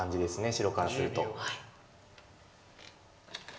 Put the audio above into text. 白からすると。